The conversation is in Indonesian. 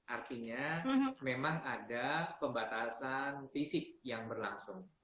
artinya memang ada pembatasan fisik yang berlangsung